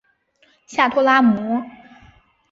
下托拉姆。